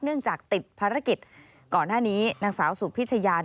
จากติดภารกิจก่อนหน้านี้นางสาวสุพิชยาน